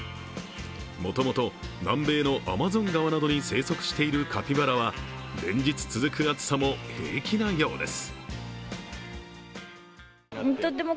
もともと南米のアマゾン川などに生息しているカピバラは連日続く暑さも平気なようです。